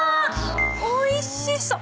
おいしそう！